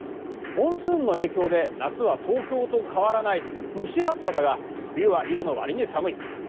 モンスーンの影響で夏は東京と変わらない蒸し暑さだが冬は緯度のわりに寒い。